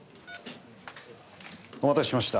お待たせしました。